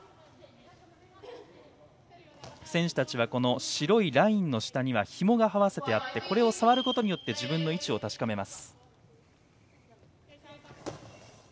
選手たちは、白いラインの下にはひもが這わせてあってこれを触ることで自分の位置を確かめます。